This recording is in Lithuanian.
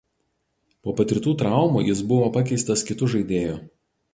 Po patirtų traumų jis buvo pakeistas kitu žaidėju.